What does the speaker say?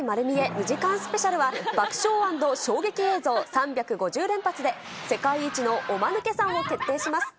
２時間スペシャルは、爆笑＆衝撃映像３５０連発で、世界一のおマヌケさんを決定します。